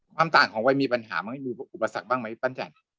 ความต่างของวัยมีปัญหาไหมมีอุปสรรคบ้างไหมปั้นจันทร์